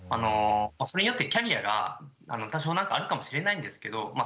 それによってキャリアが多少なんかあるかもしれないんですけどまあ